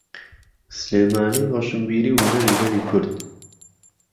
سلێمانی ڕۆشنبیری و هونەری گەلی کورد.